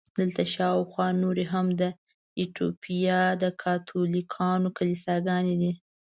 دلته شاوخوا نورې هم د ایټوپیا د کاتولیکانو کلیساګانې دي.